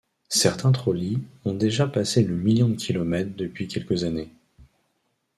Certains trolleys ont déjà passé le million de kilomètres depuis quelques années.